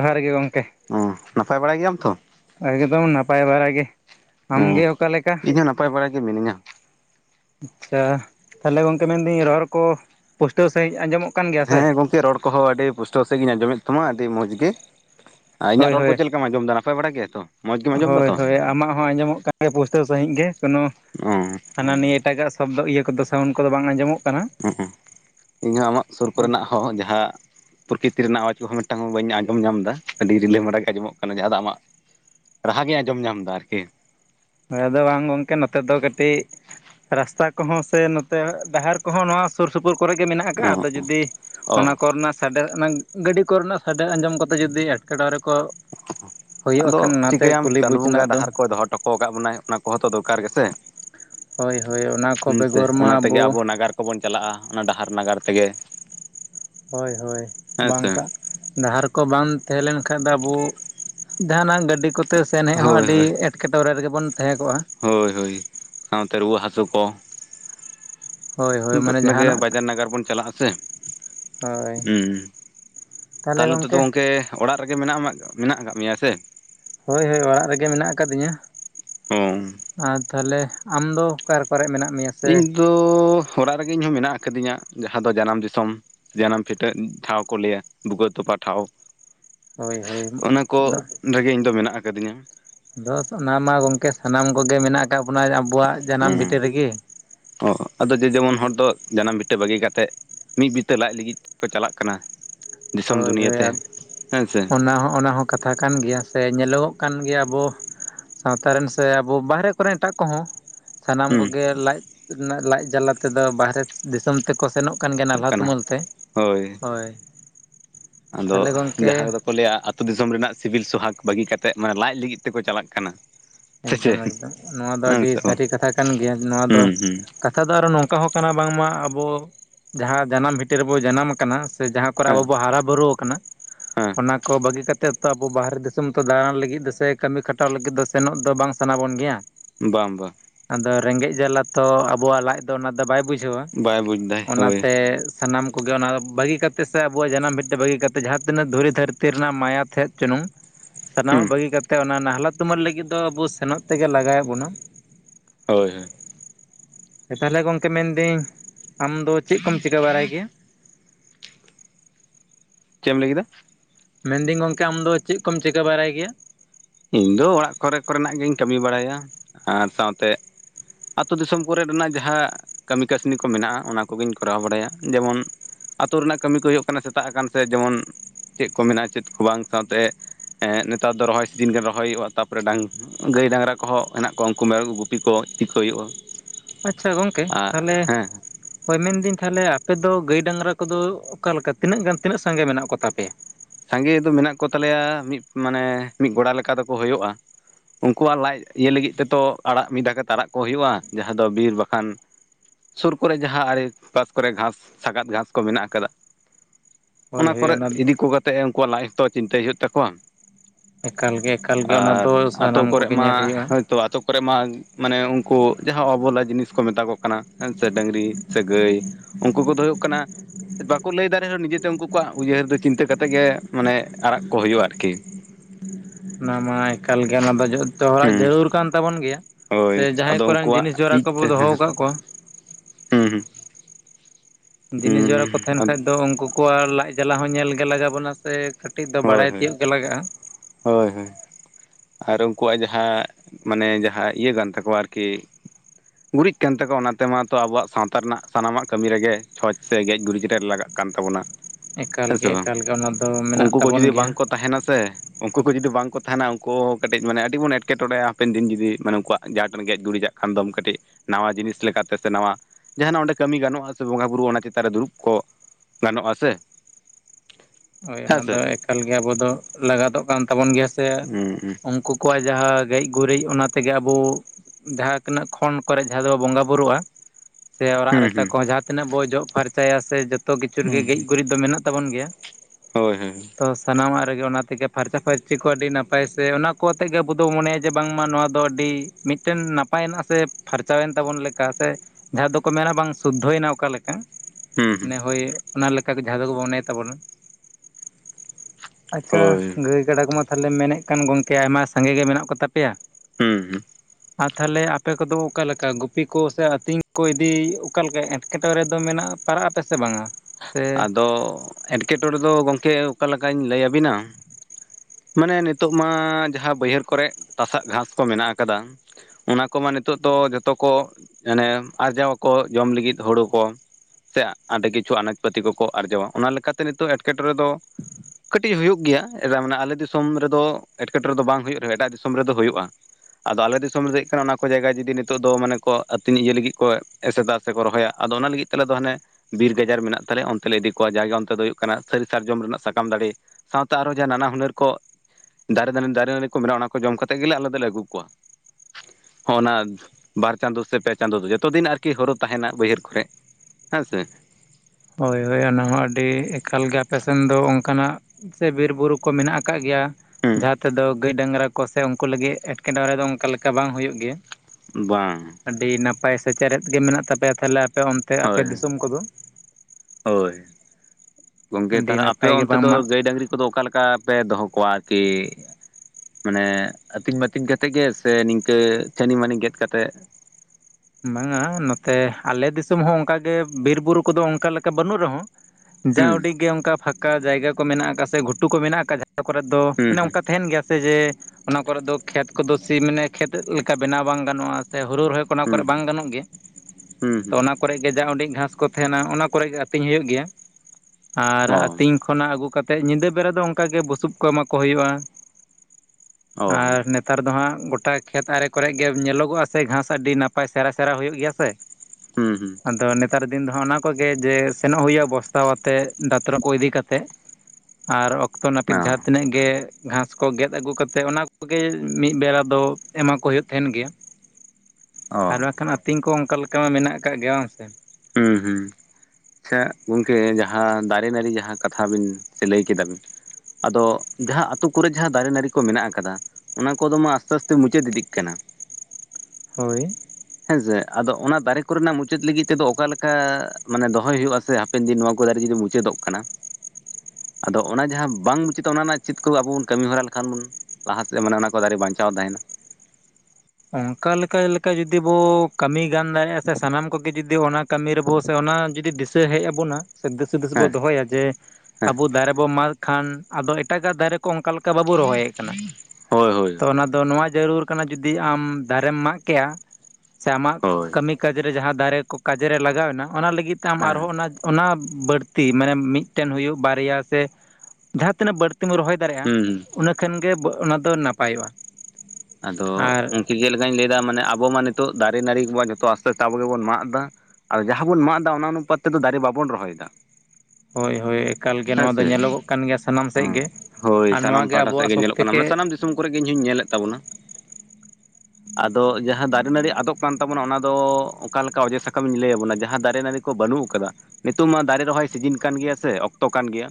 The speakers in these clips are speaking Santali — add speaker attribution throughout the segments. Speaker 1: ᱡᱚᱦᱟᱨ ᱜᱮ ᱜᱚᱢᱠᱮ
Speaker 2: ᱚᱸ ᱱᱟᱯᱟᱭ ᱵᱟᱲᱟᱭ ᱜᱮᱭᱟᱢ ᱛᱚ?
Speaker 1: ᱮᱠᱫᱚᱢ ᱱᱟᱯᱟᱭ ᱵᱟᱲᱟ ᱜᱮ
Speaker 2: ᱚᱸ
Speaker 1: ᱟᱢᱜᱮ ᱚᱠᱟ ᱞᱮᱠᱟ᱾
Speaker 2: ᱤᱧ ᱦᱚᱸ ᱱᱟᱯᱟᱭ ᱵᱟᱲᱟ ᱜᱮ ᱢᱤᱱᱟᱹᱧᱟ᱾
Speaker 1: ᱟᱪᱪᱷᱟ ᱛᱟᱦᱚᱞᱮ ᱜᱚᱝᱠᱮ ᱢᱮᱱᱫᱟᱹᱧ ᱨᱚᱲ ᱠᱚ ᱯᱩᱥᱴᱟᱹᱣ ᱥᱟᱺᱦᱤᱡ ᱟᱸᱡᱚᱢᱚᱜ ᱠᱟᱱᱟ᱾
Speaker 2: ᱦᱮᱸ ᱜᱚᱝᱠᱮ ᱨᱚᱲ ᱠᱚᱦᱚᱸ ᱟᱹᱰᱤ ᱯᱩᱥᱴᱟᱹᱣ ᱥᱟᱺᱦᱤᱡ ᱜᱮᱧ ᱟᱸᱡᱚᱢᱮᱫ ᱛᱟᱢᱟ ᱟᱹᱰᱤ ᱢᱚᱸᱡᱽ ᱜᱮ ᱟᱨ ᱤᱧᱟᱹᱜ
Speaker 1: ᱦᱳᱭ
Speaker 2: ᱨᱚᱲ ᱠᱚ
Speaker 1: ᱦᱳᱭ
Speaker 2: ᱪᱮᱫ ᱞᱮᱠᱟᱢ ᱟᱸᱡᱚᱢᱫᱟ ᱱᱟᱯᱟᱭ ᱵᱟᱲᱟ ᱜᱮᱭᱟ ᱛᱚ ᱢᱚᱸᱡᱽ ᱜᱮᱢ ᱟᱸᱡᱚᱢ ᱮᱫᱟᱛᱚ
Speaker 1: ᱜᱮ ᱯᱩᱥᱴᱟᱹᱣ ᱥᱟᱹᱦᱤᱡ ᱜᱮ ᱠᱳᱱᱳ ᱦᱟᱱᱟ ᱱᱤᱭᱟᱹ ᱮᱴᱟᱜᱟᱜ ᱥᱚᱵᱫᱚ ᱤᱭᱟᱹ ᱠᱚᱫᱚ ᱥᱟᱣᱩᱱᱰ ᱠᱚᱫᱚ ᱵᱟᱝ ᱟᱸᱡᱚᱢᱚᱜ ᱠᱟᱱᱟ᱾
Speaker 2: ᱤᱧ ᱦᱚᱸ ᱟᱢᱟᱜ ᱥᱩᱨ ᱠᱚᱨᱮᱱᱟᱜ ᱦᱚᱸ ᱡᱟᱦᱟᱸ ᱯᱨᱚᱠᱤᱛᱤ ᱨᱮᱱᱟᱜ ᱟᱣᱟᱡᱽ ᱠᱚᱦᱚᱸ ᱢᱤᱫᱴᱟᱝ ᱦᱚᱸ ᱵᱟᱹᱧ ᱟᱸᱡᱚᱢ ᱧᱟᱢᱮᱫᱫᱟ ᱟᱹᱰᱤ ᱨᱤᱞᱟᱹᱢᱟᱲᱟᱟ ᱜᱮ ᱟᱸᱡᱚᱢᱚᱜ ᱠᱟᱱᱟ᱾ ᱡᱟᱦᱟᱸ ᱫᱚ ᱟᱢᱟᱜ ᱨᱟᱦᱟ ᱜᱮᱭᱤᱧ ᱟᱸᱡᱚᱢ ᱧᱟᱢ ᱮᱫᱟ ᱟᱨᱠᱤ
Speaker 1: ᱦᱚᱭ ᱟᱫᱚ ᱵᱟᱝ ᱜᱚᱝᱠᱮ ᱱᱚᱛᱮ ᱫᱚ ᱠᱟᱹᱴᱤᱡ ᱨᱟᱥᱛᱟ ᱠᱚᱦᱚᱸ ᱥᱮ ᱱᱚᱛᱮ ᱰᱟᱦᱟᱨ ᱠᱚᱦᱚᱸ ᱱᱚᱣᱟ ᱥᱩᱨ ᱥᱩᱯᱩᱨ ᱠᱚᱨᱮ ᱜᱮ ᱢᱮᱱᱟᱜ ᱟᱠᱟᱫᱼᱟ
Speaker 2: ᱚᱸ
Speaker 1: ᱟᱫᱚ ᱡᱩᱫᱤ
Speaker 2: ᱚ
Speaker 1: ᱚᱱᱟ ᱠᱚᱨᱮᱱᱟ, ᱥᱟᱰᱮ ᱚᱱᱟ ᱜᱟᱹᱰᱤ ᱠᱚᱨᱮᱱᱟᱜ ᱥᱟᱰᱮ ᱟᱸᱡᱚᱢ ᱠᱟᱛᱮ ᱡᱩᱫᱤ ᱮᱴᱠᱮᱴᱚᱬᱮ ᱠᱚ᱾ ᱦᱩᱭᱩᱜᱼᱟ
Speaker 2: ᱟᱫᱚ
Speaker 1: ᱠᱷᱟᱱ ᱚᱱᱟᱛᱮ ᱠᱩᱞᱤ ᱵᱩᱡᱽ ᱨᱮᱱᱟᱜ ᱫᱚ
Speaker 2: ᱦᱚ ᱠᱟ ᱵᱚᱱᱟᱭ ᱚᱱᱟ ᱠᱚᱦᱚᱸ ᱛᱚ ᱫᱚᱨᱠᱟᱨ ᱜᱮᱥᱮ
Speaker 1: ᱦᱳᱭ ᱦᱳᱭ ᱚᱱᱟ ᱠᱚ
Speaker 2: ᱦᱮᱸ ᱥᱮ
Speaker 1: ᱵᱮᱜᱚᱨ
Speaker 2: ᱚᱱᱟ
Speaker 1: ᱢᱟ
Speaker 2: ᱛᱮᱜᱮ ᱟᱵᱚ ᱱᱟᱜᱟᱨ ᱠᱚᱵᱚᱱ ᱪᱟᱞᱟᱜᱼᱟ ᱚᱱᱟ ᱰᱟᱦᱟᱨ ᱱᱟᱜᱟᱨ ᱛᱮᱜᱮ
Speaker 1: ᱦᱳᱭ ᱦᱳᱭ
Speaker 2: ᱦᱮᱸ
Speaker 1: ᱵᱟᱝ
Speaker 2: ᱥᱮ᱾
Speaker 1: ᱠᱟᱜ ᱰᱟᱦᱟᱨ ᱠᱚ ᱵᱟᱝ ᱛᱟᱦᱮᱸ ᱞᱮᱱ ᱠᱷᱟᱡ ᱫᱚ ᱟᱵᱚ ᱡᱟᱸᱦᱟᱱᱟᱜ ᱜᱟᱹᱰᱤ ᱠᱚ ᱛᱮ ᱛᱮ ᱥᱮᱱ ᱦᱮᱡ ᱦᱚᱸ
Speaker 2: ᱦᱳᱭ
Speaker 1: ᱟᱹᱰᱤ
Speaker 2: ᱦᱳᱭ
Speaker 1: ᱮᱴᱠᱮᱴᱚᱬᱮ ᱨᱮᱜᱮ ᱵᱚᱱ ᱛᱟᱦᱮᱸ ᱠᱚᱜᱼᱟ
Speaker 2: ᱦᱳᱭ ᱦᱳᱭ ᱥᱟᱶᱛᱮ ᱨᱩᱣᱟᱹ ᱦᱟᱹᱥᱩ ᱠᱚ
Speaker 1: ᱦᱳᱭ ᱦᱳᱭ
Speaker 2: ᱟᱫᱚ
Speaker 1: ᱢᱟᱱᱮ
Speaker 2: ᱤᱱᱟᱹᱜᱮ
Speaker 1: ᱡᱟᱦᱟᱱᱟᱜ
Speaker 2: ᱵᱟᱡᱟᱨ ᱱᱟᱜᱟᱨ ᱵᱚᱱ ᱪᱟᱞᱟᱜ-ᱟ ᱥᱮ
Speaker 1: ᱦᱳᱭ
Speaker 2: ᱦᱩᱸ
Speaker 1: ᱛᱟᱦᱚᱞᱮ
Speaker 2: ᱛᱟᱦᱞᱮ ᱛᱚ ᱛᱚ
Speaker 1: ᱜᱚᱢᱠᱮ
Speaker 2: ᱜᱚᱝᱠᱮ ᱚᱲᱟᱜ ᱨᱮᱜᱮ ᱢᱮᱱᱟᱢᱟ ᱢᱮᱱᱟᱜ ᱠᱟᱫ ᱢᱮᱭᱟ ᱥᱮ
Speaker 1: ᱦᱳᱭ ᱦᱳᱭ ᱚᱲᱟᱜ ᱨᱮᱜᱮ ᱢᱮᱱᱟᱜ ᱠᱟᱫᱤᱧᱟ
Speaker 2: ᱦᱩᱸᱻ
Speaker 1: ᱟᱨ ᱛᱟᱦᱞᱮ ᱟᱢᱫᱚ ᱚᱠᱟ ᱠᱚᱨᱮ ᱢᱮᱱᱟᱜ ᱢᱮᱭᱟ ᱥᱮ
Speaker 2: ᱤᱧ ᱫᱚ ᱦᱚᱨᱟᱜ ᱨᱮᱜᱮ ᱤᱧᱦᱚᱸ ᱢᱮᱱᱟᱜ ᱠᱟᱫᱤᱧᱟ ᱡᱟᱦᱟᱸ ᱫᱚ ᱡᱟᱱᱟᱢ ᱫᱤᱥᱚᱢ ᱡᱟᱱᱟᱢ ᱯᱷᱤᱴᱟᱹᱜ ᱴᱷᱟᱶ ᱠᱚ ᱞᱟᱹᱭᱟ ᱵᱩᱠᱟᱹ ᱛᱚᱯᱟ ᱴᱷᱟᱶ
Speaker 1: ᱦᱳᱭ ᱦᱳᱭ
Speaker 2: ᱚᱱᱟ ᱠᱚ ᱨᱮᱜᱮ ᱤᱧ ᱫᱚ ᱢᱮᱱᱟᱜ ᱟᱠᱟᱫᱤᱧᱟ
Speaker 1: ᱫᱚᱥ ᱚᱱᱟ ᱢᱟ ᱜᱚᱝᱠᱮ ᱥᱟᱱᱟᱢ ᱠᱚᱜᱮ ᱢᱮᱱᱟᱜ ᱟᱠᱟᱫ ᱵᱚᱱᱟ ᱟᱵᱚᱣᱟᱜ ᱡᱟᱱᱟᱢ
Speaker 2: ᱦᱮᱸ
Speaker 1: ᱵᱷᱤᱴᱟᱹᱨ ᱨᱮᱜᱮ
Speaker 2: ᱚ ᱟᱫᱚ ᱡᱮ ᱡᱮᱢᱚᱱ ᱦᱚᱲ ᱫᱚ ᱡᱟᱱᱟᱢ ᱵᱷᱤᱴᱟᱹ ᱵᱟᱹᱜᱤ ᱠᱟᱛᱮᱫ ᱢᱤᱫ ᱵᱤᱛᱟᱹ ᱞᱟᱡ ᱞᱟᱹᱜᱤᱫ ᱛᱮ ᱠᱚ ᱪᱟᱞᱟᱜ ᱠᱟᱱᱟ ᱫᱤᱥᱚᱢ
Speaker 1: ᱦᱳᱭ
Speaker 2: ᱫᱩᱱᱤᱭᱟᱹ
Speaker 1: ᱦᱳᱭ
Speaker 2: ᱛᱮ
Speaker 1: ᱟᱨ
Speaker 2: ᱦᱮᱸ ᱥᱮ
Speaker 1: ᱚᱱᱟ ᱦᱚᱸ ᱚᱱᱟ ᱦᱚᱸ ᱠᱟᱛᱷᱟ ᱠᱟᱱ ᱜᱮᱭᱟ ᱥᱮ ᱧᱮᱞᱚᱜᱚᱜ ᱠᱟᱱ ᱜᱮᱭᱟ ᱟᱵᱚ ᱥᱟᱶᱛᱟ ᱨᱮᱱ ᱥᱮ ᱟᱵᱚ ᱵᱟᱦᱨᱮ ᱠᱚᱨᱮᱱ ᱮᱴᱟᱜ ᱠᱚᱦᱚᱸ ᱥᱟᱱᱟᱢ
Speaker 2: ᱦᱩᱸ
Speaker 1: ᱠᱚᱜᱮ ᱞᱟᱡ ᱨᱮᱱᱟᱜ ᱞᱟᱡ ᱡᱟᱞᱟ ᱛᱮ ᱫᱚ ᱵᱟᱦᱨᱮ ᱫᱤᱥᱚᱢ ᱛᱮᱠᱚ ᱥᱮᱱᱚᱜ ᱠᱟᱱ ᱜᱮᱭᱟ ᱱᱟᱞᱦᱟ
Speaker 2: ᱠᱟᱱᱟ
Speaker 1: ᱛᱩᱢᱟᱹᱞ ᱛᱮ, ᱦᱳᱭ
Speaker 2: ᱟᱫᱚ
Speaker 1: ᱛᱟᱦᱚᱞᱮ ᱜᱚᱝᱠᱮ
Speaker 2: ᱡᱟᱦᱟᱸ ᱨᱮᱫᱚ ᱠᱚ ᱞᱟᱹᱭᱟ ᱟᱹᱛᱩ ᱫᱤᱥᱚᱢ ᱨᱮᱱᱟᱜ ᱥᱤᱵᱤᱞ ᱥᱚᱦᱟᱜᱽ ᱵᱟᱹᱜᱤ ᱠᱟᱛᱮᱫ ᱢᱟᱱᱮ ᱞᱟᱡ ᱞᱟᱹᱜᱤᱫ ᱛᱮᱠᱚ ᱪᱟᱞᱟᱜ ᱠᱟᱱᱟ ᱥᱮ
Speaker 1: ᱮᱠᱫᱚᱢ
Speaker 2: ᱪᱮᱫ
Speaker 1: ᱮᱠᱫᱚᱢ ᱱᱚᱣᱟ ᱫᱚ
Speaker 2: ᱦᱮᱸ
Speaker 1: ᱟᱹᱰᱤ
Speaker 2: ᱥᱮ ᱵᱟᱝ
Speaker 1: ᱥᱟᱹᱨᱤ ᱠᱟᱛᱷᱟ ᱠᱟᱱ ᱜᱮᱭᱟ ᱱᱚᱣᱟ ᱫᱚ
Speaker 2: ᱦᱩᱸ ᱦᱩᱸ
Speaker 1: ᱠᱟᱛᱷᱟ ᱫᱚ ᱟᱨ ᱦᱚᱸ ᱱᱚᱝᱠᱟ ᱦᱚᱸ ᱠᱟᱱᱟ ᱵᱟᱝᱢᱟ ᱟᱵᱚ ᱡᱟᱦᱟᱸ ᱡᱟᱱᱟᱢ ᱵᱷᱤᱴᱟᱹ ᱨᱮᱵᱚ ᱡᱟᱱᱟᱢ ᱠᱟᱱᱟ ᱥᱮ ᱡᱟᱦᱟᱸ ᱠᱚᱨᱮ ᱟᱵᱚ
Speaker 2: ᱦᱮᱸ
Speaker 1: ᱵᱚ ᱦᱟᱨᱟ ᱵᱩᱨᱩᱣ ᱠᱟᱱᱟ
Speaker 2: ᱦᱮᱸ
Speaker 1: ᱚᱱᱟ ᱠᱚ ᱵᱟᱹᱜᱤ ᱠᱟᱛᱮᱫ ᱱᱚ [inaudible] ᱟᱵᱚ ᱵᱟᱦᱨᱮ ᱫᱤᱥᱚᱢ ᱛᱚ ᱫᱟᱬᱟᱱ ᱞᱟᱹᱜᱤᱫ ᱫᱚ ᱥᱮ ᱠᱟᱹᱢᱤ ᱠᱷᱟᱴᱟᱣ ᱞᱟᱹᱜᱤᱫ ᱫᱚ ᱥᱮᱱᱚᱜ ᱫᱚ ᱵᱟᱝ ᱥᱟᱱᱟ ᱵᱚᱱ ᱜᱮᱭᱟ᱾
Speaker 2: ᱵᱟᱝ ᱵᱟᱝ
Speaker 1: ᱟᱫᱚ ᱨᱮᱸᱜᱮᱡ ᱡᱟᱞᱟ ᱛᱚ ᱟᱵᱚᱣᱟᱜ ᱞᱟᱡ ᱫᱚ ᱚᱱᱟ ᱫᱚ ᱵᱟᱭ ᱵᱩᱡᱷᱟᱹᱣᱟ,
Speaker 2: ᱵᱟᱭ ᱵᱩᱡᱽ ᱫᱟᱭ
Speaker 1: ᱚᱱᱟ
Speaker 2: ᱦᱳᱭ
Speaker 1: ᱛᱮ ᱥᱟᱱᱟᱢ ᱠᱚᱜᱮ ᱚᱱᱟ ᱵᱷᱟᱹᱜᱤ ᱠᱟᱛᱮᱫ ᱥᱮ ᱟᱵᱚᱣᱟᱜ ᱡᱟᱱᱟᱢ ᱵᱷᱤᱴᱟᱹ ᱠᱟᱛᱮᱫ ᱡᱟᱦᱟᱸ ᱛᱤᱱᱟᱹᱜ ᱫᱷᱩᱲᱤ ᱫᱷᱟᱹᱨᱛᱤ ᱨᱮᱱᱟᱜ ᱢᱟᱭᱟ ᱛᱮᱡ ᱪᱚᱱᱩᱝ
Speaker 2: ᱦᱩᱸ
Speaker 1: ᱥᱟᱱᱟᱢᱟᱜ ᱵᱟᱹᱜᱤ ᱠᱟᱛᱮᱫ ᱚᱱᱟ ᱱᱟᱦᱞᱟ ᱛᱩᱢᱟᱹᱞ ᱞᱟᱹᱜᱤᱫ ᱫᱚ ᱵᱟᱹᱫ ᱥᱮᱱᱚᱜ ᱛᱮᱜᱮ ᱞᱟᱜᱟᱭᱮᱫ ᱵᱚᱱᱟ᱾
Speaker 2: ᱦᱳᱭ ᱦᱳᱭ
Speaker 1: ᱛᱟᱦᱚᱞᱮ ᱜᱚᱝᱠᱮ ᱢᱮᱱ ᱫᱟᱹᱧ ᱟᱢ ᱫᱚ ᱪᱮᱫ ᱠᱚᱢ ᱪᱤᱠᱟᱹ ᱵᱟᱲᱟᱭ ᱜᱮᱭᱟ?
Speaker 2: ᱪᱮᱫ ᱮᱢ ᱞᱟᱹᱭ ᱠᱮᱫᱟ?
Speaker 1: ᱢᱮᱱᱫᱟᱹᱧ ᱜᱚᱝᱠᱮ ᱟᱢᱫᱚ ᱪᱮᱫ ᱠᱚᱢ ᱪᱤᱠᱟᱹ ᱵᱟᱲᱟᱭ ᱜᱮᱭᱟ?
Speaker 2: ᱤᱧ ᱫᱚ ᱚᱲᱟᱜ ᱠᱚᱨᱮ ᱠᱚᱨᱮᱱᱟᱜ ᱜᱮᱧ ᱠᱟᱹᱢᱤ ᱵᱟᱲᱟᱭᱟ ᱟᱨ ᱥᱟᱶᱛᱮ ᱟᱹᱛᱳ ᱫᱤᱥᱚᱢ ᱠᱚᱨᱮ ᱱᱟᱜ ᱡᱟᱦᱟᱸ ᱠᱟᱹᱢᱤ ᱠᱟᱹᱥᱱᱤ ᱠᱚ ᱢᱮᱱᱟᱜᱼᱟ᱾ ᱚᱱᱟ ᱠᱚᱜᱤᱧ ᱠᱚᱨᱟᱣ ᱵᱟᱲᱟᱭᱟ, ᱡᱮᱢᱚᱱ ᱟᱹᱛᱩ ᱨᱮᱱᱟᱜ ᱠᱟᱹᱢᱤ ᱠᱚ ᱦᱩᱭᱩᱜ ᱠᱟᱱᱟ ᱥᱮᱛᱟᱜ ᱟᱠᱟᱱ ᱥᱮ ᱡᱮᱢᱚᱱ ᱪᱮᱫ ᱠᱚ ᱢᱮᱱᱟᱜᱼᱟ ᱪᱮᱫ ᱠᱚ ᱵᱟᱝ ᱥᱟᱶᱛᱮ ᱱᱮᱛᱟᱨ ᱫᱚ ᱨᱚᱦᱚᱭ ᱥᱤᱡᱤᱱ ᱜᱮ ᱨᱚᱦᱚᱭ ᱦᱩᱭᱩᱜᱼᱟ ᱛᱟᱨᱯᱚᱨᱮ ᱰᱟᱝ ᱜᱟᱹᱭ ᱰᱟᱝᱨᱟ ᱠᱚᱦᱚᱸ ᱦᱮᱱᱟᱜ ᱠᱚᱣᱟ ᱩᱱᱠᱩ ᱢᱮᱨᱚᱢ ᱜᱩᱯᱤ ᱠᱚ ᱤᱫᱤ ᱠᱚ ᱦᱩᱭᱩᱜᱼᱟ ᱾
Speaker 1: ᱟᱪᱷᱟ ᱜᱚᱢᱠᱮ ᱛᱟᱦᱚᱞᱮ ᱦᱳᱭ ᱢᱮᱱ ᱫᱟᱹᱧ ᱛᱟᱦᱞᱮ ᱟᱯᱮ ᱫᱚ ᱜᱟᱹᱭ ᱰᱟᱝᱨᱟ ᱠᱚᱫᱚ ᱚᱠᱟ ᱞᱮᱠᱟ ᱛᱤᱱᱟᱹᱜ ᱜᱟᱱ ᱛᱤᱱᱟᱹᱜ ᱥᱟᱸᱜᱮ ᱢᱮᱱᱟᱜ ᱠᱚ ᱛᱟᱯᱮᱭᱟ
Speaker 2: ᱥᱟᱸᱜᱮ ᱫᱚ ᱢᱮᱱᱟᱜ ᱠᱚ ᱛᱟᱞᱮᱭᱟ ᱢᱤᱫ ᱢᱟᱱᱮ ᱢᱤᱫ ᱜᱚᱲᱟ ᱞᱮᱠᱟ ᱫᱚᱠᱚ ᱦᱳᱜᱳᱼᱟ᱾ ᱩᱱᱠᱩᱣᱟᱜ ᱞᱟᱡ ᱤᱭᱟᱹ ᱞᱟᱹᱜᱤᱫ ᱛᱮ ᱛᱚ ᱟᱲᱟᱜ ᱢᱤᱫ ᱤᱫᱷᱟ ᱜᱮ ᱛᱟᱨᱟᱜ ᱠᱚ ᱦᱩᱭᱩᱜᱼᱟ᱾ ᱡᱟᱦᱟᱸ ᱫᱚ ᱵᱤᱨ ᱵᱟᱠᱷᱟᱱ ᱥᱩᱨ ᱠᱚᱨᱮ ᱡᱟᱦᱟᱸ ᱟᱲᱮ ᱯᱟᱥ ᱠᱚᱨᱮ ᱜᱷᱟᱥ ᱥᱟᱜᱟᱛ ᱜᱷᱟᱥ ᱠᱚ ᱢᱮᱱᱟᱜ ᱟᱠᱟᱫᱟ᱾
Speaker 1: ᱦᱳᱭ
Speaker 2: ᱚᱱᱟ
Speaker 1: ᱦᱳᱭ
Speaker 2: ᱠᱚᱨᱮᱜ ᱤᱫᱤ ᱠᱚ ᱠᱟᱛᱮᱜ ᱩᱱᱠᱩᱣᱟᱜ ᱞᱟᱡ ᱦᱚ ᱛᱚ ᱪᱤᱱᱛᱟᱹᱭ ᱦᱩᱭᱩᱜ ᱛᱟᱠᱚᱣᱟ᱾
Speaker 1: ᱮᱠᱟᱞ ᱜᱮ ᱮᱠᱟᱞ ᱜᱮ ᱚᱱᱟ
Speaker 2: ᱟᱨ
Speaker 1: ᱫᱚ
Speaker 2: ᱟᱹᱛᱩ
Speaker 1: ᱥᱟᱱᱟᱢ
Speaker 2: ᱠᱚᱨᱮ
Speaker 1: ᱠᱚᱜᱮ
Speaker 2: ᱢᱟ
Speaker 1: ᱧᱮᱞ ᱦᱩᱭᱩᱜᱼᱟ
Speaker 2: ᱛᱚ ᱟᱛᱳ ᱠᱚᱨᱮ ᱢᱟ ᱢᱟᱱᱮ ᱩᱱᱠᱩ ᱡᱟᱦᱟᱸ ᱚᱵᱚᱞᱟ ᱡᱤᱱᱤᱥ ᱠᱚ ᱢᱮᱛᱟ ᱠᱚ᱾ ᱦᱮᱥᱮ ᱰᱟᱹᱝᱨᱤ ᱥᱮ ᱜᱟᱹᱭ ᱩᱱᱠᱩ ᱩᱱᱠᱩ ᱠᱚ ᱫᱚ ᱦᱩᱭᱩᱜ ᱠᱟᱱᱟ ᱵᱟᱠᱚ ᱞᱟᱹᱭ ᱫᱟᱲᱮᱜ-ᱟ, ᱱᱤᱡᱮ ᱛᱮ ᱩᱱᱠᱩᱣᱟᱜ ᱩᱭᱦᱟᱹᱨ ᱫᱚ ᱪᱤᱱᱛᱟᱹ ᱠᱟᱛᱮ ᱛᱮᱜᱮ ᱢᱟᱱᱮ ᱟᱲᱟᱜ ᱠᱚ ᱦᱩᱭᱩᱜᱼᱟ ᱟᱨᱠᱤ᱾
Speaker 1: ᱚᱱᱟ ᱢᱟ ᱮᱠᱟᱞ ᱜᱮ ᱚᱱᱟ ᱫᱚ ᱡᱚᱛᱚ ᱦᱚᱲᱟᱜ
Speaker 2: ᱦᱩᱸ
Speaker 1: ᱡᱟᱹᱨᱩᱲ ᱠᱟᱱ ᱛᱟᱵᱚᱱ ᱜᱮᱭᱟ᱾ ᱥᱮ
Speaker 2: ᱦᱳᱭ
Speaker 1: ᱡᱟᱦᱟᱸᱭ
Speaker 2: ᱟᱫᱚ
Speaker 1: ᱠᱚᱨᱮᱱ
Speaker 2: ᱩᱱᱠᱩᱣᱟᱜ
Speaker 1: ᱡᱤᱱᱤᱥ ᱡᱟ
Speaker 2: ᱤᱡ
Speaker 1: ᱠᱚᱵᱚ
Speaker 2: ᱛᱮ
Speaker 1: ᱫᱚᱦᱚ
Speaker 2: ᱦᱮᱸ
Speaker 1: ᱟᱠᱟᱫ ᱠᱚᱣᱟ
Speaker 2: ᱦᱩᱸ ᱦᱩᱸ ᱾
Speaker 1: ᱡᱤᱱᱤᱥ ᱡᱚᱨᱟ ᱠᱚ ᱛᱟᱦᱮᱱ ᱠᱷᱟᱡ ᱫᱚ ᱩᱱᱠᱩ ᱠᱚᱣᱟᱜ ᱞᱟᱡ ᱡᱟᱞᱟ ᱦᱚᱸ ᱧᱮᱞ ᱜᱮ ᱞᱟᱜᱟ ᱵᱚᱱᱟ ᱥᱮ ᱠᱟᱹᱴᱤᱡ ᱫᱚ
Speaker 2: ᱦᱳᱭ
Speaker 1: ᱵᱟᱲᱟᱭ
Speaker 2: ᱦᱳᱭ
Speaker 1: ᱛᱤᱭᱳᱜ ᱜᱮ ᱞᱟᱜᱟᱜᱼᱟ ᱾
Speaker 2: ᱦᱳᱭ ᱦᱳᱭ ᱾ ᱟᱨ ᱩᱱᱠᱩᱣᱟᱜ ᱡᱟᱦᱟᱸ ᱢᱟᱱᱮ ᱡᱟᱦᱟᱸ ᱤᱭᱟᱹ ᱠᱟᱱ ᱛᱟᱠᱚᱣᱟ ᱟᱨᱠᱤ ᱜᱩᱨᱤᱡ ᱠᱟᱱ ᱛᱟᱠᱚᱣᱟ ᱚᱱᱟ ᱛᱮᱢᱟ ᱛᱚ ᱟᱵᱚᱣᱟᱜ ᱥᱟᱶᱛᱟ ᱨᱮᱱᱟᱜ ᱥᱟᱱᱟᱢᱟᱜ ᱠᱟᱹᱢᱤ ᱨᱮᱜᱮ ᱪᱷᱚᱸᱪ ᱥᱮ ᱜᱮᱡ ᱜᱩᱨᱤᱡ ᱨᱮ ᱞᱟᱜᱟᱜ ᱠᱟᱱ ᱛᱟᱵᱚᱱᱟ ᱾
Speaker 1: ᱮᱠᱟᱞ ᱜᱮ ᱮᱠᱟᱞ ᱜᱮ ᱚᱱᱟ ᱫᱚ ᱢᱮᱱᱟᱜ
Speaker 2: ᱩᱱᱠᱩ ᱠᱚ
Speaker 1: ᱛᱟᱵᱚᱱ
Speaker 2: ᱡᱩᱫᱤ
Speaker 1: ᱜᱮᱭᱟ
Speaker 2: ᱵᱟᱝ ᱠᱚ ᱛᱟᱦᱮᱱᱟ ᱥᱮ ᱩᱱᱠᱩ ᱠᱚ ᱡᱩᱫᱤ ᱵᱟᱝ ᱠᱚ ᱛᱟᱦᱮᱱᱟ ᱩᱱᱠᱩ ᱠᱟᱹᱴᱤᱡ ᱢᱟᱱᱮ ᱟᱹᱰᱤ ᱵᱚᱱ ᱮᱴᱠᱮᱴᱚᱬᱮᱭᱟ ᱦᱟᱯᱮᱱ ᱫᱤᱱ ᱡᱩᱫᱤ ᱢᱟᱱᱮ ᱩᱱᱠᱩᱣᱟᱜ ᱡᱟᱦᱟᱸ ᱠᱟᱱᱟ ᱜᱮᱡ ᱜᱩᱨᱤᱡᱟ᱾ ᱠᱷᱟᱱ ᱫᱚᱢ ᱠᱟᱹᱴᱤᱡ ᱱᱟᱣᱟ ᱡᱤᱱᱤᱥ ᱞᱮ ᱠᱟᱛᱮ ᱥᱮ ᱱᱟᱣᱟ ᱡᱟᱦᱟᱱᱟᱜ ᱚᱸᱰᱮ ᱠᱟᱹᱢᱤ ᱜᱟᱱᱚᱜ ᱟ ᱥᱮ ᱵᱚᱸᱜᱟ ᱵᱩᱨᱩ ᱚᱱᱟ ᱪᱮᱛᱟᱱ ᱨᱮ ᱫᱩᱲᱩᱵ ᱠᱚ ᱜᱟᱱᱚᱜ ᱟᱥᱮ?
Speaker 1: ᱦᱳᱭ ᱚᱱᱟ ᱫᱚ ᱮᱠᱟᱞ ᱜᱮ ᱠᱚ ᱟᱵᱚ ᱫᱚ ᱞᱟᱜᱟᱛᱚᱜ ᱠᱟᱱ ᱛᱟᱵᱚᱱ ᱜᱮᱭᱟ ᱥᱮ
Speaker 2: ᱦᱩᱸ ᱦᱩᱸ
Speaker 1: ᱩᱱᱠᱩ ᱠᱚᱣᱟᱜ ᱡᱟᱦᱟᱸ ᱜᱮᱡ ᱜᱩᱨᱤᱡ ᱚᱱᱟ ᱛᱮᱜᱮ ᱟᱵᱚ ᱡᱟᱦᱟᱸ ᱛᱤᱱᱟᱹᱜ ᱠᱷᱚᱱ ᱠᱚᱨᱮ ᱡᱟᱦᱟᱸ ᱫᱚᱵᱚ ᱵᱚᱸᱜᱟ ᱵᱩᱨᱩᱜᱼᱟ, ᱥᱮ ᱚᱲᱟᱜ
Speaker 2: ᱦᱩᱸ
Speaker 1: ᱨᱟᱪᱟ ᱠᱚᱦᱚᱸ ᱡᱟᱦᱟᱸ ᱛᱤᱱᱟᱹᱜ ᱵᱚ ᱡᱚᱜ ᱯᱷᱟᱨᱪᱟᱭᱟ ᱥᱮ ᱡᱚᱛᱚ ᱠᱤᱪᱷᱩ ᱨᱮᱜᱮ ᱜᱮᱡ
Speaker 2: ᱦᱩᱸ
Speaker 1: ᱜᱩᱨᱤᱡ ᱫᱚ ᱢᱮᱱᱟᱜ ᱛᱟᱵᱚᱱ ᱜᱮᱭᱟ ᱾
Speaker 2: ᱦᱳᱭ ᱦᱳᱭ ᱾
Speaker 1: ᱛᱚ ᱥᱟᱱᱟᱢᱟᱜ ᱨᱮᱜᱮ ᱚᱱᱟ ᱛᱮᱜᱮ ᱯᱷᱟᱨᱪᱟ ᱯᱷᱟᱨᱪᱤ ᱠᱚ ᱟᱹᱰᱤ ᱱᱟᱯᱟᱭ ᱥᱮ ᱚᱱᱟ ᱠᱚ ᱟᱛᱮ ᱜᱮ ᱟᱵᱚ ᱫᱚ ᱢᱚᱱᱮᱭᱟ ᱡᱮ ᱵᱟᱝᱢᱟ ᱱᱚᱣᱟ ᱫᱚ ᱟᱹᱰᱤ ᱾ ᱢᱤᱫᱴᱮᱱ ᱱᱟᱯᱟᱭᱮᱱᱟ ᱥᱮ ᱯᱷᱟᱨᱪᱟᱣᱮᱱ ᱛᱟᱵᱚᱱ ᱞᱮᱠᱟ ᱛᱮ ᱡᱟᱦᱟᱸ ᱫᱚᱠᱚ ᱢᱮᱱᱟ ᱵᱟᱝ ᱥᱩᱫᱽᱫᱷᱚᱭᱮᱱᱟ ᱚᱠᱟ ᱞᱮᱠᱟ᱾
Speaker 2: ᱦᱩᱸ
Speaker 1: ᱢᱚᱱᱮ ᱦᱳᱭ ᱚᱱᱟ ᱞᱮᱠᱟ ᱡᱟᱦᱟᱸ ᱫᱚᱠᱚ ᱢᱚᱱᱮ ᱛᱟᱵᱚᱱᱟ᱾ ᱟᱪᱪᱷᱟ
Speaker 2: ᱦᱳᱭ
Speaker 1: ᱜᱟᱹᱭ ᱠᱟᱰᱟ ᱠᱚᱢᱟ ᱛᱟᱦᱚᱞᱮᱢ ᱢᱮᱱᱮᱫ ᱠᱟᱱ ᱜᱚᱝᱠᱮ ᱟᱭᱢᱟ ᱥᱟᱸᱜᱮ ᱜᱮ ᱢᱮᱱᱟᱜ ᱠᱚ ᱛᱟᱯᱮᱭᱟ ᱾
Speaker 2: ᱦᱩᱸ ᱦᱩᱸ ᱾
Speaker 1: ᱟᱨ ᱛᱟᱦᱚᱞᱮ ᱟᱯᱮ ᱠᱚᱫᱚ ᱚᱠᱟ ᱞᱮᱠᱟ ᱜᱩᱯᱤ ᱠᱚ ᱥᱮ ᱟᱹᱛᱤᱧ ᱠᱚ ᱤᱫᱤ ᱚᱠᱟ ᱞᱮᱠᱟ ᱮ ᱴᱠᱮᱴᱚᱬᱮ ᱫᱚ ᱢᱮᱱᱟᱜᱼᱟ ᱯᱟᱲᱟᱜ ᱟᱯᱮ ᱥᱮ ᱵᱟᱝᱟ? ᱥᱮ
Speaker 2: ᱟᱫᱚ ᱮᱴᱠᱮᱴᱚᱬᱮ ᱫᱚ ᱜᱚᱝᱠᱮ ᱚᱠᱟ ᱞᱮᱠᱟᱧ ᱞᱟᱹᱭ ᱟᱵᱤᱱᱟ ᱾ ᱢᱟᱱᱮ ᱱᱤᱛᱚᱜ ᱢᱟ ᱡᱟᱦᱟᱸ ᱵᱟᱹᱭᱦᱟᱹᱲ ᱠᱚᱨᱮᱜ ᱛᱟᱥᱟᱜ ᱜᱷᱟᱸᱥ ᱠᱚ ᱢᱮᱱᱟᱜ ᱠᱟᱫᱟ, ᱚᱱᱟ ᱠᱚᱢᱟ ᱱᱤᱛᱚᱜ ᱫᱚ ᱡᱚᱛᱚ ᱠᱚ ᱢᱟᱱᱮ ᱟᱨᱡᱟᱣ ᱟᱠᱚ ᱡᱚᱢ ᱞᱟᱹᱜᱤᱫ ᱦᱩᱲᱩ ᱠᱚ ᱾ ᱥᱮ ᱟᱹᱰᱤ ᱠᱤᱪᱷᱩ ᱟᱱᱟᱡ ᱯᱟᱹᱛᱤ ᱠᱚᱠᱚ ᱟᱨᱡᱟᱣᱟ ᱚᱱᱟ ᱞᱮᱠᱟ ᱱᱤᱛᱚᱜ ᱮᱴᱠᱮᱴᱚᱬᱮ ᱫᱚ ᱠᱟᱹᱴᱤᱡ ᱦᱩᱭᱩᱜ ᱜᱮᱭᱟ ᱮᱫᱟ ᱟᱞᱮ ᱫᱚ ᱫᱤᱥᱚᱢ ᱨᱮᱫᱚ ᱮᱴᱠᱮᱴᱚᱲᱮ ᱫᱚ ᱵᱟᱝ ᱦᱩᱭᱩᱜ ᱨᱮᱦᱚᱸ ᱮᱴᱟᱜ ᱫᱤᱥᱚᱢ ᱨᱮᱫᱚ ᱦᱩᱭᱩᱜᱼᱟ ᱾ ᱟᱫᱚ ᱟᱞᱮ ᱫᱤᱥᱚᱢ ᱨᱮᱫᱚ ᱦᱮᱡ ᱠᱟᱱᱟ ᱚᱱᱟ ᱠᱚ ᱡᱟᱭᱜᱟ ᱡᱩᱫᱤ ᱱᱤᱛᱚᱜ ᱫᱚ ᱢᱟᱱᱮ ᱠᱚ ᱟᱹᱛᱤᱧ ᱤᱭᱟᱹ ᱞᱟᱹᱜᱤᱫ ᱠᱚ ᱦᱮ ᱥᱮ ᱫᱟᱜ ᱥᱮᱠᱚ ᱨᱚᱦᱚᱭᱟ ᱟᱫᱚ ᱚᱱᱟ ᱞᱟᱹᱜᱤᱫ ᱛᱟᱞᱮ ᱫᱚ ᱦᱟᱱᱮ ᱾ ᱵᱤᱨ ᱜᱟᱡᱟᱲ ᱢᱮᱱᱟᱜ ᱛᱟᱞᱮᱭᱟ ᱚᱱᱛᱮ ᱞᱮ ᱤᱫᱤ ᱠᱚᱣᱟ ᱡᱟᱜᱮ ᱚᱱᱛᱮ ᱫᱚ ᱦᱩᱭᱩᱜ ᱠᱟᱱᱟ ᱥᱟᱹᱨᱤ ᱥᱟᱨᱡᱚᱢ ᱨᱮᱱᱟᱜ ᱥᱟᱠᱟᱢ ᱫᱟᱲᱮ ᱥᱟᱶᱛᱮ ᱟᱨ ᱦᱚᱸ ᱡᱟᱦᱟᱸ ᱱᱟᱱᱟ ᱦᱩᱱᱟᱹᱨ ᱠᱚ ᱫᱟᱨᱮ ᱻᱫᱟᱨᱮ ᱱᱟᱹᱲᱤ ᱠᱚ ᱢᱮᱱᱟᱜᱼᱟ ᱚᱱᱟ ᱠᱚ ᱡᱚᱢ ᱠᱟᱛᱮᱜ ᱜᱮᱞᱮ ᱟᱞᱮ ᱫᱚᱞᱮ ᱟᱹᱜᱩ ᱠᱚᱣᱟ ᱦᱚᱜᱱᱟ ᱵᱟᱨ ᱪᱟᱸᱫᱳ ᱥᱮ ᱯᱮ ᱪᱟᱸᱫᱳ ᱫᱚ ᱡᱚᱛᱚ ᱫᱤᱱ ᱟᱨᱠᱤ ᱦᱚᱨᱳ ᱛᱟᱦᱮᱱᱟ ᱵᱟᱹᱭᱦᱟᱹᱲ ᱠᱚᱨᱮᱫ ᱦᱮᱸ ᱥᱮ
Speaker 1: ᱦᱳᱭ ᱦᱳᱭ ᱚᱱᱟ ᱦᱚᱸ ᱟᱹᱰᱤ ᱮᱠᱟᱞ ᱜᱮ ᱟᱯᱮᱥᱮᱫ ᱫᱚ ᱚᱱᱠᱟᱱᱟᱜ ᱥᱮ ᱵᱤᱨ ᱵᱩᱨᱩ ᱠᱚ ᱢᱮᱱᱟᱜ ᱟᱠᱟᱜ ᱜᱮᱭᱟ
Speaker 2: ᱦᱩᱸ
Speaker 1: ᱡᱟᱦᱟᱸ ᱛᱮᱫᱚ ᱜᱟᱹᱭ ᱰᱟᱝᱨᱟ ᱠᱚ ᱥᱮ ᱩᱱᱠᱩ ᱞᱟᱹᱜᱤᱫ ᱮᱴᱠᱮᱴᱚᱬᱮ ᱫᱚ ᱚᱱᱠᱟ ᱞᱮᱠᱟ ᱵᱟᱝ ᱦᱩᱭᱩᱜ ᱜᱮᱭᱟ ᱾
Speaker 2: ᱵᱟᱝ ᱾
Speaker 1: ᱟᱹᱰᱤ ᱱᱟᱯᱟᱭ ᱥᱮ ᱪᱟᱨᱮᱫ ᱜᱮ ᱢᱮᱱᱟᱜ ᱛᱟᱯᱮᱭᱟ ᱛᱟᱦᱚᱞᱮ ᱟᱯᱮ ᱚᱱᱛᱮ ᱟᱯᱮ
Speaker 2: ᱦᱳᱭ
Speaker 1: ᱫᱤᱥᱚᱢ ᱠᱚᱫᱚ ᱾
Speaker 2: ᱦᱳᱭ ᱾ ᱜᱚᱝᱠᱮ
Speaker 1: ᱟᱹᱰᱤ
Speaker 2: ᱛᱟᱦᱚᱞᱮ ᱟᱯᱮ
Speaker 1: ᱱᱟᱯᱟᱭ ᱜᱮ
Speaker 2: ᱚᱱᱛᱮ ᱫᱚ
Speaker 1: ᱵᱟᱝᱢᱟ
Speaker 2: ᱜᱟᱹᱭ ᱰᱟᱹᱟᱝᱨᱤ ᱩᱱ ᱠᱚᱫᱚ ᱚᱠᱟ ᱞᱮᱠᱟ ᱯᱮ ᱫᱚᱦᱚ ᱠᱚᱣᱟ ᱠᱤ? ᱢᱟᱱᱮ ᱟᱹᱛᱤᱧ ᱵᱟᱹᱛᱤᱧ ᱠᱟᱛᱮ ᱜᱮ ᱥᱮ ᱱᱤᱝᱠᱟᱹ ᱪᱷᱟᱹᱱᱤᱢᱟᱹᱱᱤ ᱜᱮᱫ ᱠᱟᱛᱮ
Speaker 1: ᱵᱟᱝᱟ ᱱᱚᱛᱮ ᱟᱞᱮ ᱫᱤᱥᱚᱢ ᱦᱚᱸ ᱚᱱᱠᱟ ᱜᱮ ᱵᱤᱨ ᱵᱩᱨᱩ ᱠᱚᱫᱚ ᱚᱱᱠᱟ ᱞᱮᱠᱟ ᱵᱟᱹᱱᱩᱜ ᱨᱮᱦᱚᱸ, ᱡᱟ
Speaker 2: ᱦᱩᱸ
Speaker 1: ᱩᱰᱤᱜ ᱜᱮ ᱚᱱᱠᱟ ᱯᱷᱟᱸᱠᱟ ᱡᱟᱭᱜᱟ ᱠᱚ ᱢᱮᱱᱟᱜ ᱟᱠᱟᱫ ᱥᱮ ᱜᱷᱩᱴᱩ ᱠᱚ ᱢᱮᱱᱟᱜ ᱟᱠᱟᱫᱟ ᱟ ᱠᱚᱨᱮ ᱫᱚ
Speaker 2: ᱦᱩᱸ
Speaker 1: ᱢᱟᱱᱮ
Speaker 2: ᱦᱩᱸ
Speaker 1: ᱚᱱᱠᱟ ᱛᱟᱦᱮᱱ ᱜᱮᱭᱟ ᱥᱮ ᱡᱮ ᱚᱱᱟ ᱠᱚ ᱫᱚ ᱠᱷᱮᱛ ᱠᱚᱫᱚ ᱥᱤ ᱢᱟᱱᱮ ᱠᱷᱮᱛ ᱞᱮᱠᱟ ᱵᱮᱱᱟᱣ ᱵᱟᱝ ᱜᱟᱱᱚᱜᱼᱟ ᱥᱮ ᱦᱩᱨᱩ ᱨᱚᱦᱚᱭ
Speaker 2: ᱦᱩᱸ
Speaker 1: ᱠᱚᱨᱮ ᱵᱟᱝ ᱜᱟᱱᱚᱜ ᱜᱮᱭᱟ
Speaker 2: ᱦᱩᱸ
Speaker 1: ᱛᱚ
Speaker 2: ᱦᱩᱸ
Speaker 1: ᱚᱱᱟ ᱠᱚᱨᱮ ᱜᱮ ᱡᱟ ᱩᱸᱰᱤ ᱜᱷᱟᱸᱥ ᱠᱚ ᱛᱟᱦᱮᱱᱟ ᱚᱱᱟ ᱠᱚᱨᱮ ᱜᱮ ᱟᱹᱛᱤᱧ ᱦᱩᱭᱩᱜ ᱜᱮᱭᱟ ᱟᱨ
Speaker 2: ᱚ
Speaker 1: ᱟᱹᱛᱤᱧ ᱾ ᱠᱷᱚᱱᱟᱜ ᱟᱹᱜᱩ ᱠᱟᱛᱮᱫ ᱧᱤᱫᱟᱹ ᱵᱮᱨᱟ ᱫᱚ ᱚᱱᱠᱟ ᱜᱮ ᱵᱩᱥᱩᱵ ᱠᱚ ᱮᱢᱟ ᱠᱚ ᱦᱩᱭᱩᱜᱼᱟ ᱾
Speaker 2: ᱚ
Speaker 1: ᱟᱨ ᱱᱮᱛᱟᱨ ᱫᱚ ᱦᱟᱸᱜ ᱜᱚᱴᱟ ᱠᱷᱮᱛ ᱟᱨᱮ ᱠᱚᱨᱮᱜ ᱜᱮ ᱧᱮᱞᱚᱜᱚᱜᱼᱟ ᱥᱮ ᱜᱷᱟᱸᱥ ᱟᱹᱰᱤ ᱱᱟ ᱦᱚᱭ ᱥᱮᱨᱟ ᱥᱮᱨᱟ ᱦᱳᱭᱳᱜ ᱜᱮᱭᱟ ᱥᱮ
Speaker 2: ᱦᱩᱸᱻ ᱦᱩᱸ
Speaker 1: ᱟᱫᱚ ᱱᱮᱛᱟᱨ ᱫᱤᱱ ᱫᱚ ᱚᱱᱟ ᱠᱚᱜᱮ ᱡᱮ ᱥᱮᱱᱚᱜ ᱦᱩᱭᱩᱜᱼᱟ, ᱵᱚᱥᱛᱟ ᱟᱛᱮᱫ ᱫᱟᱛᱨᱚᱢ ᱠᱚ ᱤᱫᱤ ᱠᱟᱛᱮᱫ ᱟᱨ ᱚᱠᱛᱚ ᱱᱟᱹᱯᱤᱛ
Speaker 2: ᱚ
Speaker 1: ᱡᱟᱦᱟᱸ ᱛᱤᱱᱟᱹᱜ ᱜᱮ ᱜᱷᱟᱸᱥ ᱠᱚ ᱜᱮᱫ ᱟᱹᱜᱩ ᱠᱟᱛᱮᱮᱫ ᱚᱱᱟ ᱠᱚᱜᱮ ᱢᱤᱫ ᱵᱮᱲᱟ ᱫᱚ ᱮᱢᱟ ᱠᱚ ᱦᱩᱭᱩᱜ ᱛᱟᱦᱮᱱ ᱜᱮᱭᱟ ᱾
Speaker 2: ᱚ
Speaker 1: ᱟᱨ ᱵᱟᱠᱷᱟᱱ ᱟᱹᱛᱤᱧ ᱠᱚ ᱚᱱᱠᱟ ᱞᱮᱠᱟ ᱢᱟ ᱢᱮᱱᱟᱜ ᱟᱠᱟᱫ ᱜᱮ ᱵᱟᱝ ᱥᱮ
Speaker 2: ᱦᱮᱸ ᱦᱩᱸ ᱟᱪᱷᱟ ᱜᱚᱝᱠᱮ ᱡᱟᱦᱟᱸ ᱫᱟᱨᱮ ᱱᱟᱹᱲᱤ ᱡᱟᱦᱟᱸ ᱠᱟᱛᱷᱟ ᱵᱤᱱ ᱞᱟᱹᱭ ᱠᱮᱫᱟ ᱵᱤᱱ ᱟᱫᱚ ᱡᱟᱦᱟᱸ ᱟᱛᱳ ᱠᱚᱨᱮᱫ ᱡᱟᱦᱟᱸ ᱫᱟᱨᱮ ᱱᱟᱹᱲᱤ ᱠᱚ ᱢᱮᱱᱟᱜ ᱠᱟᱫᱟ ᱚᱱᱟ ᱠᱚᱫᱚ ᱢᱟ ᱟᱥᱛᱮ ᱟᱥᱛᱮ ᱢᱩᱪᱟᱹᱫ ᱤᱫᱤᱜ ᱠᱟᱱᱟ
Speaker 1: ᱦᱳᱭ
Speaker 2: ᱦᱮᱸᱥᱮ ᱟᱫᱚ ᱚᱱᱟ ᱫᱟᱨᱮ ᱠᱚᱨᱮᱱᱟᱜ ᱢᱩᱪᱟᱹᱫ ᱞᱟᱹᱜᱤᱫ ᱛᱮᱫᱚ ᱚᱠᱟᱞᱮᱠᱟ ᱢᱟᱱᱮ ᱫᱚᱦᱚᱭ ᱦᱩᱭᱩᱜ ᱟ ᱥᱮ ᱦᱟᱯᱮᱱ ᱫᱤᱱ ᱱᱚᱣᱟ ᱠᱚ ᱫᱟᱨᱮ ᱡᱩᱫᱤ ᱢᱩᱪᱟᱹᱫᱚᱜ ᱠᱟᱱᱟ ᱾
Speaker 1: [inaudible]
Speaker 2: ᱟᱫᱚ ᱚᱱᱟ ᱡᱟᱦᱟᱸ ᱵᱟᱝ ᱢᱩᱪᱟ. ᱫᱚᱜ ᱚᱱᱟ ᱨᱮᱱᱟᱜ ᱪᱮᱫ ᱠᱚ ᱟᱵᱚ ᱵᱚᱱ ᱠᱟᱹᱢᱤ ᱦᱚᱨᱟ ᱞᱮᱠᱷᱟᱱ ᱵᱚᱱ ᱞᱟᱦᱟ ᱥᱮᱫ ᱢᱟᱱᱮ ᱚᱱᱟ ᱠᱚ ᱫᱟᱨᱮ ᱵᱟᱧᱪᱟᱣ ᱛᱟᱦᱮᱱᱟ
Speaker 1: ᱚᱱᱠᱟ ᱞᱮᱠᱟ ᱞᱮᱠᱟ ᱡᱩᱫᱤ ᱵᱚ ᱠᱟᱹᱢᱤ ᱜᱟᱱ ᱫᱟᱲᱮᱭᱟᱜᱼᱟ ᱥᱮ ᱥᱟᱱᱟᱢ ᱠᱚᱜᱮ ᱡᱩᱫᱤ ᱚᱱᱟ ᱠᱟᱹᱢᱤ ᱨᱮᱵᱚ ᱥᱮ ᱚᱱᱟ ᱡᱩᱫᱤ ᱫᱤᱥᱟᱹ ᱦᱮᱡ ᱟᱵᱚᱱᱟ ᱥᱮ ᱫᱤᱥ ᱦᱩᱫᱤᱥ ᱵᱚ
Speaker 2: ᱦᱮᱸ
Speaker 1: ᱫᱚᱦᱚᱭᱟ ᱡᱮ
Speaker 2: ᱦᱮᱸ
Speaker 1: ᱟᱵᱚ ᱫᱟᱨᱮ ᱵᱚᱱ ᱢᱟᱜ ᱠᱷᱟᱱ ᱟᱫᱚ ᱮᱴᱟᱜᱟᱜ ᱫᱟᱨᱮ ᱚᱱᱠᱟ ᱞᱮᱠᱟ ᱵᱟᱵᱚ ᱨᱚᱦᱚᱭᱮᱫ ᱠᱟᱱᱟ
Speaker 2: ᱦᱳᱭ ᱦᱳᱭ
Speaker 1: ᱛᱚ ᱚᱱᱟ ᱫᱚ ᱱᱚᱣᱟ ᱡᱟᱹᱨᱩ ᱠᱟᱱᱟ ᱡᱩᱫᱤ ᱡᱩᱫᱤ ᱟᱢ ᱫᱟᱨᱮᱢ ᱢᱟᱜ ᱠᱮᱭᱟ ᱥᱮ ᱟᱢᱟᱜ
Speaker 2: ᱦᱳᱭ
Speaker 1: ᱠᱟᱹᱢᱤ ᱠᱟᱡᱽᱮᱨᱮ ᱡᱟᱦᱟᱸ ᱫᱟᱨᱮ ᱠᱚ ᱠᱟᱡᱮ ᱨᱮ ᱞᱟᱜᱟᱣ ᱱᱟ ᱚᱱᱟ ᱞᱟᱹᱜᱤᱫ ᱛᱮ ᱟᱢ
Speaker 2: ᱦᱮᱸ
Speaker 1: ᱟᱨᱦᱚᱸ ᱚᱱᱟ ᱚᱱᱟ ᱵᱟᱹᱲᱛᱤ ᱢᱟᱱᱮ ᱢᱤᱫᱴᱮᱱ ᱦᱩᱭᱩᱜ ᱵᱟᱨᱭᱟ ᱥᱮ ᱡᱟᱦᱟᱸ ᱛᱤᱱᱟᱹᱜ ᱵᱟᱹᱲᱛᱤᱢ ᱨᱚᱦᱚᱭ ᱫᱟᱲᱮᱭᱟᱜᱼᱟ
Speaker 2: ᱦᱩᱸ ᱦᱩᱸ
Speaker 1: ᱩᱱᱟᱹ ᱠᱷᱟᱱ ᱜᱮ ᱚᱱᱟ ᱫᱚ ᱱᱟᱯᱟᱭᱚᱜᱼᱟ ᱾
Speaker 2: ᱟᱫᱚ ᱜᱚᱝᱠᱮ ᱡᱮ ᱞᱮᱠᱟᱧ ᱞᱟᱹᱭ ᱫᱟ ᱢᱟᱱᱮ ᱟᱵᱚ ᱢᱟ ᱱᱤᱛᱚᱜ ᱫᱟᱨᱮ ᱱᱟᱹᱲᱤ ᱠᱚ ᱡᱚᱛᱚ ᱟᱥᱛᱮ ᱟᱥᱛᱮ ᱛᱮ ᱟᱵᱚ ᱜᱮᱵᱚᱱ ᱢᱟᱜ ᱫᱟ ᱾ ᱟᱨ ᱡᱟᱦᱟᱸ ᱵᱚᱱ ᱢᱟᱜ ᱫᱟ ᱚᱱᱟ ᱚᱱᱩᱯᱟᱛ ᱛᱮᱫᱚ ᱫᱟᱨᱮ ᱵᱟᱵᱚᱱ ᱨᱚᱦᱚᱭ ᱫᱟ
Speaker 1: ᱦᱳᱭ ᱦᱳᱭ ᱮᱠᱟᱞ ᱜᱮ ᱱᱚᱣᱟ ᱫᱚ ᱧᱮᱞᱚᱜᱚᱜ ᱠᱟᱱ ᱜᱮᱭᱟ ᱥᱟᱱᱟᱢ ᱥᱮᱫ
Speaker 2: ᱦᱮᱸ
Speaker 1: ᱜᱮ
Speaker 2: ᱦᱳᱭ
Speaker 1: ᱟᱨ
Speaker 2: ᱥᱟᱱᱟᱢ
Speaker 1: ᱱᱚᱣᱟ
Speaker 2: ᱯᱟᱦᱴᱟ
Speaker 1: ᱟᱵᱚᱣᱟᱜ
Speaker 2: ᱥᱮᱫ ᱜᱮ
Speaker 1: ᱥᱚᱵ
Speaker 2: ᱧᱮᱞᱚᱜ ᱠᱟᱱᱟ ᱢᱟᱱᱮ
Speaker 1: ᱛᱷᱮᱠᱮ
Speaker 2: ᱥᱟᱱᱟᱢ ᱫᱤᱥᱚᱢ ᱠᱚᱨᱮᱜ ᱜᱮ ᱤᱧᱦᱚᱧ ᱧᱮᱞᱮᱫ ᱛᱟᱵᱚᱱᱟ ᱾
Speaker 1: [inaudible]
Speaker 2: ᱟᱫᱚ ᱡᱟᱦᱟᱸ ᱫᱟᱨᱮ ᱱᱟᱹᱲᱤ ᱟᱫᱚᱜ ᱠᱟᱱ ᱛᱟᱵᱚᱱᱟ ᱚᱱᱟ ᱫᱚ ᱚᱠᱟ ᱞᱮᱠᱟ ᱚᱡᱮ ᱥᱟᱠᱟᱢ ᱤᱧ ᱞᱟᱹᱭ ᱟᱵᱚᱱᱟ ᱡᱟᱦᱟᱸ ᱫᱟᱨᱮ ᱱᱟᱹᱲᱤ ᱠᱚ ᱵᱟᱹᱱᱩᱜ ᱠᱟᱫᱟ ᱱᱤᱛᱚᱜ ᱢᱟ ᱫᱟᱨᱮ ᱨᱚᱦᱚᱭ ᱥᱤᱡᱤᱱ ᱠᱟᱱ ᱜᱮᱭᱟ ᱥᱮ ᱚᱠᱛᱚ ᱠᱟᱱ ᱜᱮᱭᱟ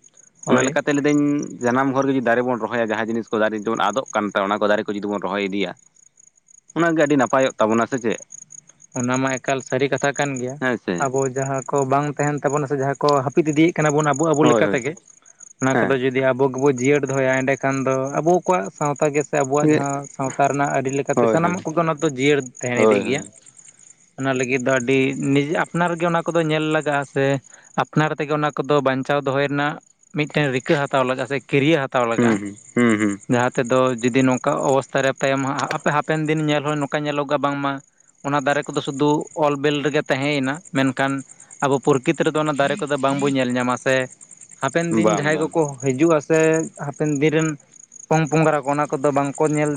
Speaker 2: ᱾ ᱚᱱᱟ
Speaker 1: ᱦᱳᱭ
Speaker 2: ᱞᱮᱠᱟ ᱛᱮ ᱞᱟᱹᱭ ᱤᱫᱟᱹᱧ ᱡᱟᱱᱟᱢ ᱜᱚᱨ ᱜᱮ ᱡᱩᱫᱤ ᱫᱟᱨᱮ ᱵᱚᱱ ᱨᱚᱦᱚᱭᱟ ᱡᱟᱦᱟᱸ ᱡᱤᱱᱤᱥ ᱠᱚ ᱫᱟᱨᱮ ᱡᱮᱢᱚᱱ ᱟᱫᱚᱜ ᱠᱟᱱᱛᱮ ᱚᱱᱟ ᱠᱚ ᱫᱟᱨᱮ ᱠᱚ ᱡᱩᱫᱤ ᱵᱚᱱ ᱨᱚᱦᱚᱭ ᱤᱫᱤᱭᱟ, ᱚᱱᱟᱜᱮ ᱟᱹᱰᱤ ᱱᱟᱯᱟᱭᱚᱜ ᱛᱟᱵᱚᱱᱟ ᱥᱮ ᱪᱮᱫ?
Speaker 1: ᱚᱱᱟ ᱢᱟ ᱮᱠᱟᱞ ᱥᱟᱹᱨᱤ ᱠᱟᱛᱷᱟ ᱠᱟᱱ ᱜᱮᱭᱟ᱾
Speaker 2: ᱦᱮᱸ ᱥᱮ
Speaker 1: ᱟᱵᱚ ᱡᱟᱸᱦᱟ ᱠᱚ ᱵᱟᱝ ᱛᱟᱦᱮᱱ ᱛᱟᱵᱚᱱᱟ ᱾ ᱥᱮ ᱡᱟᱦᱟᱸ ᱠᱚ ᱦᱟᱹᱯᱤᱫ ᱤᱫᱤᱭᱮᱫ ᱠᱟᱱᱟ ᱵᱚᱱ ᱟᱵᱚ ᱟᱵᱚ
Speaker 2: ᱦᱳᱭ
Speaker 1: ᱞᱮᱠᱟ
Speaker 2: ᱦᱳᱭ
Speaker 1: ᱛᱮᱜᱮ ᱾ ᱚᱱᱟ ᱠᱚ
Speaker 2: ᱦᱮᱸ
Speaker 1: ᱫᱚ ᱡᱩᱫᱤ ᱟᱵᱚ ᱜᱮᱵᱚ ᱡᱤᱭᱟᱹᱲ ᱫᱚᱦᱚᱭᱟ ᱮᱸᱰᱮᱠᱷᱟᱱ ᱫᱚ ᱟᱵᱚ ᱠᱚᱣᱟᱜ ᱥᱟᱶᱛᱟ ᱜᱮ ᱥᱮ ᱟᱵᱚᱣᱟᱜ
Speaker 2: ᱦᱳᱭ
Speaker 1: ᱡᱟᱦᱟᱸ ᱥᱟᱶᱛᱟ ᱨᱮᱱᱟᱜ ᱟᱹᱨᱤ ᱞᱮᱠᱟᱛᱮ
Speaker 2: ᱦᱳᱭ ᱦᱳᱭ
Speaker 1: ᱥᱟᱱᱟᱢᱟᱜ ᱠᱚᱜᱮ ᱚᱱᱟ ᱫᱚ ᱡᱤᱭᱟᱹᱲ ᱛᱟᱦᱮᱸ
Speaker 2: ᱦᱳᱭ
Speaker 1: ᱤᱫᱤᱜ ᱜᱮᱭᱟ ᱚᱱᱟ ᱞᱟᱹᱜᱤᱫ ᱫᱚ ᱟᱹᱰᱤ ᱱᱤᱡᱮ ᱟᱯᱱᱟᱨ ᱜᱮ ᱚᱱᱟ ᱠᱚ ᱫᱚ ᱧᱮᱞ ᱞᱟᱜᱟᱜᱼᱟ ᱥᱮ ᱟᱯᱱᱟᱨ ᱛᱮᱜᱮ ᱚᱱᱟ ᱠᱚᱫᱚ ᱵᱟᱧᱪᱟᱣ ᱫᱚᱦᱚᱭ ᱨᱮᱱᱟᱜ ᱢᱤᱫᱴᱮᱱ ᱨᱤᱠᱟᱹ ᱦᱟᱛᱟᱣ ᱞᱟᱜᱟᱜᱼᱟ ᱥᱮ ᱠᱮᱨᱤᱭᱟᱹ ᱦᱟ ᱦᱟᱛᱟᱣ ᱞᱟᱜᱟᱜᱼᱟ
Speaker 2: ᱦᱩᱸ ᱦᱩᱸ ᱦᱩᱸ
Speaker 1: ᱡᱟᱦᱟᱸ ᱛᱮᱫᱚ ᱡᱩᱫᱤ ᱱᱚᱝᱠᱟ ᱚᱵᱚᱥᱛᱟ ᱨᱮ ᱛᱟᱭᱚᱢᱟ ᱦᱟᱸ ᱟᱯᱮ ᱦᱟᱯᱮᱱ ᱫᱤᱱ ᱧᱮᱞ ᱦᱚᱸ ᱱᱚᱝᱠᱟ ᱧᱮᱞᱚᱜᱼᱟ ᱵᱟᱝᱢᱟ ᱚᱱᱟ ᱫᱟᱨᱮ ᱠᱚᱫᱚ ᱥᱩᱫᱷᱩ ᱚᱞᱵᱮᱞ ᱨᱮᱜᱮ ᱛᱟᱦᱮᱸᱭ ᱱᱟ ᱢᱮᱱᱠᱷᱟᱱ ᱟᱵᱚ ᱯᱩᱨᱠᱤᱛ ᱨᱮᱫᱚ ᱚᱱᱟ ᱫᱟᱨᱮ ᱠᱚᱫᱚ ᱵᱟᱝᱵᱚ ᱧᱮᱞ ᱧᱟᱢᱟ ᱥᱮ ᱦᱟᱯᱮᱱ
Speaker 2: ᱦᱩᱸ
Speaker 1: ᱫᱤᱱ
Speaker 2: ᱵᱟᱝ
Speaker 1: ᱡᱟᱦᱟᱸᱭ
Speaker 2: ᱵᱟᱝ
Speaker 1: ᱠᱚ-ᱠᱚ ᱦᱤᱡᱩᱜᱼᱟ ᱥᱮ ᱦᱟᱯᱮᱱ ᱫᱤᱱ ᱨᱮᱱ ᱯᱚᱝ ᱯᱚᱝᱜᱨᱟ ᱠᱚ ᱚᱱᱟ ᱠᱚᱫᱚ ᱵᱟᱝᱠᱚ ᱧᱮᱞ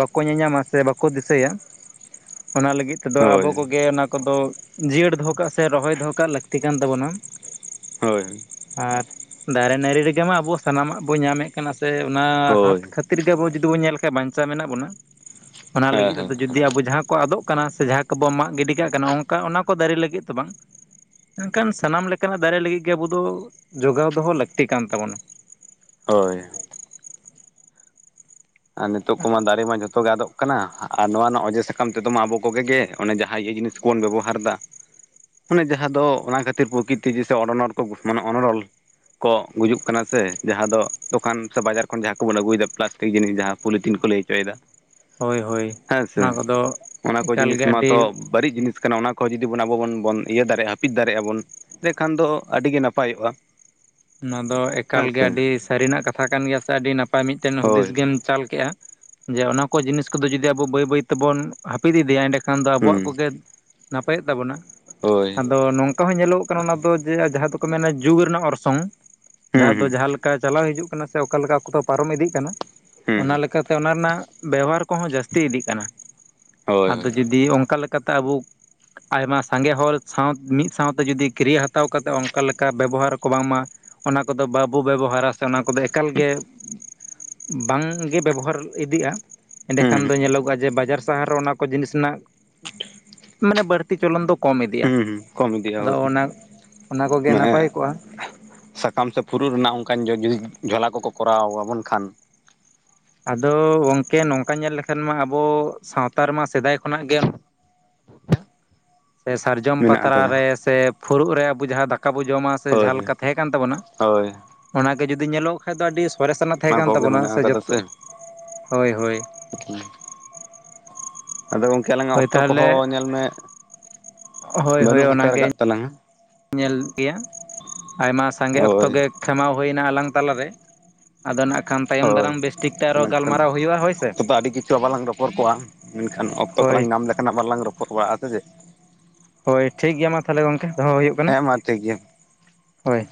Speaker 1: ᱵᱟᱠᱚ ᱧᱮᱞᱧᱟᱢᱟ ᱥᱮ ᱵᱟᱠᱚ ᱫᱤᱥᱟᱹᱭᱟ ᱚᱱᱟ ᱞᱟᱹᱜᱤᱫ ᱛᱮᱫᱚ ᱟᱵᱚ
Speaker 2: ᱦᱳᱭ
Speaker 1: ᱠᱚᱜᱮ ᱚᱱᱟ ᱠᱚᱫᱚ, ᱡᱤᱭᱟᱹᱲ ᱫᱚᱦᱚ ᱠᱟᱜ, ᱥᱮ ᱨᱚᱦᱚᱭ ᱫᱚᱦᱚ ᱠᱟᱜ ᱞᱟᱹᱠᱛᱤ ᱠᱟᱱ ᱛᱟᱵᱚᱱᱟ ᱾
Speaker 2: ᱦᱳᱭ
Speaker 1: ᱟᱨ ᱫᱟᱨᱮ ᱱᱟᱹᱲᱤ ᱨᱮᱜᱮ ᱢᱟ ᱟᱵᱚ ᱥᱟᱱᱟᱢᱟᱜ ᱵᱚᱱ ᱧᱟᱢᱮᱜ ᱠᱟᱱᱟ᱾ ᱥᱮ ᱚᱱᱟ ᱦᱟᱛ
Speaker 2: ᱦᱳᱭ
Speaker 1: ᱠᱷᱟᱹᱛᱤ ᱠᱷᱟᱹᱛᱤᱨᱜᱮ ᱟᱵᱚ ᱡᱩᱫᱤ ᱵᱚᱱ ᱧᱮᱞ ᱠᱷᱟᱱ ᱵᱟᱧᱪᱟᱣ ᱢᱮᱱᱟᱜ ᱵᱚᱱᱟ᱾ ᱚᱱᱟ
Speaker 2: ᱦᱮᱸ
Speaker 1: ᱞᱟᱹᱜᱤᱫ
Speaker 2: ᱦᱮᱸ
Speaker 1: ᱚ ᱡᱩᱫᱤ ᱟᱵᱚ ᱡᱟᱦᱟᱸ ᱠᱚ ᱟᱫᱚᱜ ᱠᱟᱱᱟ ᱥᱮ ᱡᱟᱸᱦᱟ ᱠᱚᱵᱚ ᱢᱟᱜ ᱜᱤᱰᱤ ᱠᱟᱜ ᱠᱟᱱᱟ᱾ ᱚᱱᱠᱟ ᱚᱱᱟ ᱠᱚ ᱫᱟᱨᱮ ᱞᱟᱹᱜᱤᱫ ᱛᱚ ᱵᱟᱝ ᱢᱮᱱᱠᱷᱟᱱ ᱥᱟᱱᱟᱢ ᱞᱮᱠᱟᱱᱟᱜ ᱫᱟᱨᱮ ᱞᱟᱹᱜᱤᱫ ᱜᱮ, ᱟᱵᱚ ᱫᱚ ᱡᱚᱜᱟᱣ ᱫᱚᱦᱚ ᱞᱟᱹᱠᱛᱤ ᱠᱟᱱ ᱛᱟᱵᱚᱱᱟ ᱾
Speaker 2: ᱦᱳᱭ ᱟᱨ ᱱᱤᱛᱚᱜ ᱠᱚᱢᱟ ᱫᱟᱨᱮ ᱢᱟ ᱡᱷᱚᱛᱚ ᱜᱮ ᱟᱫᱚᱜ ᱠᱟᱱᱟ ᱾ ᱟᱨ ᱱᱚᱣᱟ ᱨᱮᱱᱟᱜ ᱚᱡᱮ ᱥᱟᱠᱟᱢ ᱛᱮᱫᱚ ᱢᱟ ᱟᱵᱚ ᱠᱚᱜᱮ ᱜᱮ ᱚᱱᱮ ᱡᱟᱦᱟᱸ ᱤᱭᱟᱹ ᱡᱤᱱᱤᱥᱵᱚᱱ ᱵᱮᱵᱚᱦᱟᱨ ᱫᱟ ᱾ ᱢᱟᱱᱮ ᱡᱟᱦᱟᱸ ᱫᱚ ᱚᱱᱟ ᱠᱷᱟᱹᱛᱤᱨ ᱯᱨᱚᱠᱤᱛᱤᱥᱮ ᱚᱱᱚᱱᱚᱲ ᱠᱚ ᱢᱟᱱᱮ ᱚᱱᱚᱲᱚᱞ ᱠᱚ ᱜᱩᱡᱩᱜ ᱠᱟᱱᱟ ᱾ ᱥᱮ ᱡᱟᱦᱟᱸ ᱫᱚ ᱫᱚᱠᱟᱱ ᱥᱮ ᱵᱟᱡᱟᱨ ᱠᱷᱚᱱ ᱡᱟᱸᱦᱟ ᱠᱚᱵᱚᱱ ᱟᱹᱜᱩᱭᱮᱫᱟ ᱯᱞᱟᱥᱴᱤᱠ ᱡᱤᱱᱤᱥ, ᱡᱟᱦᱟᱸ ᱯᱚᱞᱤᱛᱤᱱ ᱠᱚ ᱞᱟᱹᱭ ᱦᱚᱪᱚᱭᱫᱟ
Speaker 1: ᱦᱳᱭ ᱦᱳᱭ
Speaker 2: ᱦᱮᱸ ᱥᱮᱮ
Speaker 1: ᱚᱱᱟ ᱠᱚᱫᱚ
Speaker 2: ᱚᱱᱟ ᱠᱚ
Speaker 1: ᱮᱠᱟᱞ
Speaker 2: ᱡᱤᱱᱤᱥ
Speaker 1: ᱜᱮ ᱟᱹᱰᱤ
Speaker 2: ᱢᱟᱛᱚ ᱵᱟᱹᱲᱤᱡ ᱡᱤᱱᱤᱥ ᱠᱟᱱᱟ ᱚᱱᱟ ᱠᱚ ᱡᱩᱫᱤ ᱵᱚᱱ ᱟᱵᱚ ᱵᱚᱱ ᱵᱚᱱ ᱤᱭᱟᱹ ᱫᱟᱲᱮᱭᱟᱜᱼᱟ ᱦᱟᱹᱯᱤᱫ ᱫᱟᱲᱮᱭᱟᱜᱼᱟ ᱵᱚᱱ᱾ ᱛᱮ ᱮᱠᱷᱟᱱ ᱫᱚ ᱟᱹᱰᱤᱜᱮ ᱱᱟᱯᱟᱭᱚᱜᱼᱟ᱾
Speaker 1: ᱱᱚᱣᱟ ᱫᱚ ᱮᱠᱟᱞ
Speaker 2: ᱦᱮᱸ
Speaker 1: ᱜᱮ
Speaker 2: ᱥᱮ
Speaker 1: ᱟᱹᱰᱤ ᱥᱟᱹᱨᱤᱱᱟᱜ ᱠᱟᱛᱷᱟ ᱠᱟᱱ ᱜᱮᱭᱟ ᱾ ᱥᱮ ᱟᱹᱰᱤ ᱱᱟᱯᱟᱭ ᱢᱤᱫᱴᱮᱱ ᱦᱩᱫᱤᱥ
Speaker 2: ᱦᱳᱭ
Speaker 1: ᱜᱮᱢ ᱪᱟᱞ ᱠᱮᱜᱼᱟ ᱾ ᱡᱮ ᱚᱱᱟ ᱠᱚ ᱡᱤᱱᱤᱥ ᱠᱚᱫᱚ ᱡᱩᱫᱤ, ᱟᱵᱚ ᱵᱟᱹᱭ ᱵᱟᱹᱭ ᱛᱮᱵᱚᱱ ᱦᱟᱹᱯᱤᱫ ᱤᱫᱤᱭᱟ, ᱮᱸᱰᱮᱠᱷᱟᱱ ᱫᱚ ᱟᱵᱚᱣᱟᱜ
Speaker 2: ᱦᱩᱸ
Speaker 1: ᱠᱚᱜᱮ ᱱᱟᱯᱟᱭᱚᱜ ᱛᱟᱵᱚᱱᱟ᱾
Speaker 2: ᱦᱳᱭ
Speaker 1: ᱟᱫᱚ ᱱᱚᱝ ᱚᱱᱠᱟ ᱦᱚᱸ ᱧᱮᱞᱚᱜ ᱠᱟᱱᱟ ᱾ ᱚᱱᱟ ᱫᱚ ᱡᱮ ᱡᱟᱸᱦᱟ ᱫᱚᱠᱚ ᱢᱮᱱᱟ ᱡᱩᱜᱽ ᱨᱮᱱᱟᱜ ᱚᱨᱥᱚᱝ, ᱡᱟᱦᱟᱸ ᱫᱚ
Speaker 2: ᱦᱩᱸ
Speaker 1: ᱡᱟᱦᱟᱸ ᱞᱮᱠᱟ ᱪᱟᱞᱟᱣ ᱦᱤᱡᱩᱜ ᱠᱟᱱᱟ ᱾ ᱥᱮ ᱚᱠᱟ ᱞᱮᱠᱟ ᱠᱚᱫᱚ ᱯᱟᱨᱚᱢ ᱤᱫᱤᱜ ᱠᱟᱱᱟ ᱾
Speaker 2: ᱦᱩᱸ ᱦᱩᱸ ᱦᱩᱸ
Speaker 1: ᱚᱱᱟ ᱞᱮᱠᱟ ᱛᱮ ᱚᱱᱟ ᱨᱮᱱᱟᱜ ᱵᱮᱣᱦᱟᱨ ᱠᱚᱦᱚᱸ ᱡᱟᱹᱥᱛᱤ ᱤᱫᱤᱜ ᱠᱟᱱᱟ᱾
Speaker 2: ᱦᱳᱭ
Speaker 1: ᱟᱫᱚ ᱡᱩᱫᱤ ᱚᱱᱠᱟ ᱞᱮᱠᱟᱛᱮ ᱟᱵᱚ [inaudible] [inaudible] ᱟᱭᱢᱟ ᱥᱟᱸᱜᱮ ᱦᱚᱲ ᱥᱟᱶ ᱢᱤᱫ ᱥᱟᱶᱛᱮ ᱡᱩᱫᱤ ᱠᱤᱨᱭᱟᱹ ᱦᱟᱛᱟᱣ ᱠᱟᱛᱮᱫ ᱚᱱᱠᱟ ᱞᱮᱠᱟ ᱵᱮᱵᱚᱦᱟᱨ ᱠᱚ ᱵᱟᱝᱢᱟ ᱚᱱᱟ ᱠᱚᱫᱚ ᱵᱟᱵᱚ ᱵᱮᱵᱚᱦᱟᱨᱟ ᱾ ᱥᱮ ᱚᱱᱟ ᱠᱚᱫᱚ ᱮᱠᱟᱞᱜᱮ ᱵᱟᱝᱜᱮ ᱵᱮᱵᱚᱦᱟᱨ ᱤᱫᱤᱜᱼᱟ ᱾
Speaker 2: ᱦᱩᱸ
Speaker 1: ᱮᱸᱰᱮᱠᱷᱟᱱ
Speaker 2: ᱦᱩᱸ
Speaker 1: ᱫᱚ ᱧᱮᱞᱚᱜᱚᱜᱼᱟ ᱡᱮ ᱵᱟᱡᱟᱨ ᱥᱟᱦᱟᱨ ᱨᱮ ᱚᱱᱟ ᱠᱚ ᱡᱤᱱᱤᱥ ᱨᱮᱱᱟᱜ ᱢᱟᱱᱮ ᱵᱟᱹᱲᱛᱤ ᱯᱩᱛᱷᱤ ᱪᱚᱞᱚᱱ ᱫᱚ ᱠᱚᱢ ᱤᱫᱤᱜᱼᱟ᱾
Speaker 2: ᱦᱩᱸ ᱦᱩᱸ ᱠᱚᱢ ᱤᱫᱤᱜᱼᱟ
Speaker 1: ᱟᱫᱚ
Speaker 2: ᱦᱳᱭ
Speaker 1: ᱚᱱᱟ ᱚᱱᱟ ᱠᱚᱜᱮ
Speaker 2: ᱢᱟᱱᱮ
Speaker 1: ᱱᱟᱯᱟᱭ ᱠᱚᱜᱼᱟ᱾
Speaker 2: ᱥᱟᱠᱟᱢ ᱥᱮ ᱯᱷᱩᱨᱩᱜ ᱨᱮᱱᱟᱜ ᱚᱱᱠᱟᱱ ᱡᱚ ᱡᱩᱫᱤ ᱡᱷᱚᱞᱟ ᱠᱚᱠᱚ ᱠᱚᱨᱟᱣ ᱟᱵᱚᱱ ᱠᱷᱟᱱ ᱾
Speaker 1: ᱟᱫᱚ ᱜᱚᱢᱠᱮ ᱱᱚᱝᱠᱟ ᱧᱮᱞ ᱞᱮᱠᱷᱟᱱ ᱢᱟ ᱟᱵᱚ ᱥᱟᱶᱛᱟ ᱨᱮᱢᱟ ᱥᱮᱫᱟᱭ ᱠᱷᱚᱱᱟᱜ ᱜᱮ ᱥᱮ ᱥᱟᱨᱡᱚᱢ
Speaker 2: ᱢᱮᱱᱟᱜ
Speaker 1: ᱯᱟᱛᱲᱟ
Speaker 2: ᱟᱠᱟᱫᱟ
Speaker 1: ᱨᱮ, ᱥᱮ ᱯᱷᱩᱲᱩᱜ ᱨᱮ ᱟᱵᱚ ᱡᱟᱦᱟᱸ ᱫᱟᱠᱟ ᱵᱚ ᱡᱚᱢᱟ ᱾ ᱥᱮ ᱡᱟᱸᱦᱟ
Speaker 2: ᱦᱳᱭ
Speaker 1: ᱞᱮᱠᱟ ᱛᱟᱸᱦᱮ ᱠᱟᱱ ᱛᱟᱵᱚᱱᱟ᱾
Speaker 2: ᱦᱳᱭ
Speaker 1: ᱚᱱᱟᱜᱮ ᱡᱩᱫᱤ ᱧᱮᱞᱚᱜ ᱠᱷᱟ ᱫᱚ ᱟᱹᱰᱤ ᱥᱚᱨᱮᱥᱱᱟᱜ ᱛᱟᱦᱮᱸ
Speaker 2: ᱚᱱᱟ
Speaker 1: ᱠᱟᱱ
Speaker 2: ᱠᱚᱜᱮ
Speaker 1: ᱛᱟᱵᱚᱱᱟ᱾
Speaker 2: ᱢᱮᱱᱟᱜ
Speaker 1: ᱥᱮ ᱡᱚᱛᱚ
Speaker 2: ᱟᱠᱟᱫᱟ
Speaker 1: ᱦᱳᱭ ᱦᱳᱭ
Speaker 2: ᱟᱫᱚ ᱜᱚᱝᱠᱮ ᱟᱞᱟᱝ ᱟᱜ
Speaker 1: ᱦᱳᱭ
Speaker 2: ᱚᱠᱛᱚ ᱠᱚᱦᱚ
Speaker 1: ᱛᱟᱦᱚᱞᱮ
Speaker 2: ᱧᱮᱞ ᱢᱮ,
Speaker 1: ᱦᱳᱭ ᱦᱳᱭ
Speaker 2: ᱵᱟᱹᱱᱩᱜ ᱦᱟᱛᱟᱲ
Speaker 1: ᱚᱱᱟᱜᱮ
Speaker 2: ᱠᱟᱫ ᱛᱟᱞᱟᱝᱟ?
Speaker 1: ᱧᱮᱞ ᱜᱮᱭᱟ ᱾ ᱟᱭᱢᱟ ᱥᱟᱸᱜᱮ ᱚᱠᱛᱚ
Speaker 2: ᱦᱳᱭ
Speaker 1: ᱜᱮ ᱠᱷᱮᱢᱟᱣ ᱦᱩᱭᱱᱟ ᱟᱞᱟᱝ ᱛᱟᱞᱟᱨᱮ ᱟᱫᱚ ᱱᱟᱜ ᱠᱷᱟᱱ ᱛᱟᱭᱚᱢ
Speaker 2: ᱦᱳᱭ
Speaker 1: ᱫᱟᱨᱟᱢ ᱵᱮᱥ ᱴᱷᱤᱠᱛᱮ ᱟᱨᱚ ᱜᱟᱞᱢᱟᱨᱟᱣ ᱦᱩᱭᱩᱜᱼᱟ᱾ ᱦᱳᱭ ᱥᱮ?
Speaker 2: ᱪᱚ ᱵᱟᱞᱟᱝ ᱨᱚᱯᱚᱲ ᱠᱚᱣᱟ ᱢᱮᱱᱠᱷᱟᱱ ᱚᱠᱛᱚ
Speaker 1: ᱦᱳᱭ
Speaker 2: ᱠᱚᱞᱟᱝ ᱧᱟᱢ ᱞᱮᱠᱷᱟᱱ ᱵᱟᱞᱟᱝ ᱨᱚᱯᱚᱲ ᱵᱟᱲᱟᱜᱼᱟ᱾ ᱥᱮ ᱪᱮ?
Speaker 1: ᱦᱳᱭ ᱴᱷᱤᱠ ᱜᱮᱭᱟ, ᱢᱟ ᱛᱟᱦᱚᱞᱮ ᱜᱚᱢᱠᱮ ᱫᱚᱦᱚ ᱦᱩᱭᱩᱜ ᱠᱟᱱᱟ
Speaker 2: ᱦᱮᱸ ᱢᱟ ᱴᱷᱤᱠ ᱜᱮᱭᱟ
Speaker 1: ᱦᱳᱭ ᱾